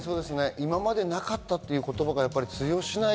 今までなかったという言葉が通用しない